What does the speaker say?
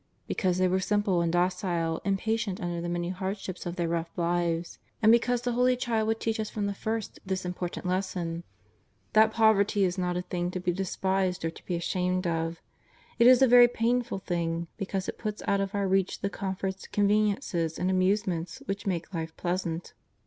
Because they were simple and docile, and patient under the many hardships of their rough lives. And because the Holy Child would teach us from the first this important lesson — that pov erty is not a thing to be despised or to be ashamed of. It is a very painful thing, because it puts out of our reach the comforts, conveniences and amusements which make life pleasant.